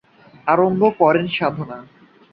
আরম্ভ করেন সাধনা।